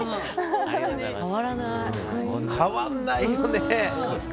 変わらないよね。